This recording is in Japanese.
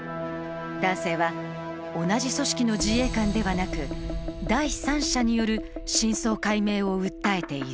男性は、同じ組織の自衛官ではなく第三者による真相解明を訴えている。